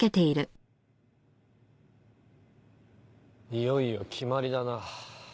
いよいよ決まりだな。